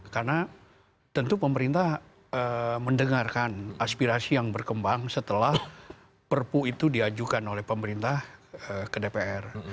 karena tentu pemerintah mendengarkan aspirasi yang berkembang setelah perpu itu diajukan oleh pemerintah ke dpr